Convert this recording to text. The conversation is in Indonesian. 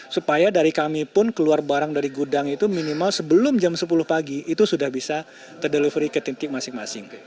supaya dari kami pun keluar barang dari gudang itu minimal sebelum jam sepuluh pagi itu sudah bisa terdelivery ke titik masing masing